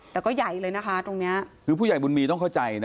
แต่ก็ใหญ่เลยนะคะตรงเนี้ยคือผู้ใหญ่บุญมีต้องเข้าใจนะ